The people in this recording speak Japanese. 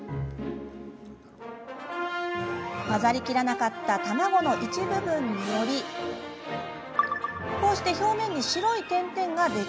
混ざりきらなかった卵の一部分によりこうして表面に白い点々ができることも。